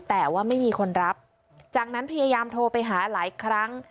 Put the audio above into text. แต่ว่าไม่มีคนรับจากนั้นพยายามโทรไปหาหลายครั้ง